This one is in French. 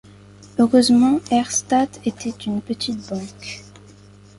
Heureusement, Herstatt était une petite banque.